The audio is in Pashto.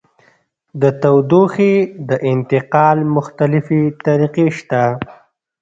د تودوخې د انتقال مختلفې طریقې شته.